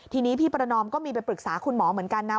ทีนี้พี่ประนอมก็มีไปปรึกษาคุณหมอเหมือนกันนะ